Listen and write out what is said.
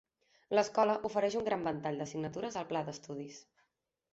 L'escola ofereix un gran ventall d'assignatures al pla d'estudis.